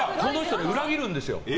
この人ね、裏切るんですよ。